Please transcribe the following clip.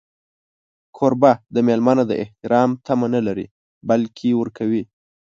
کوربه د مېلمه نه د احترام تمه نه لري، بلکې ورکوي.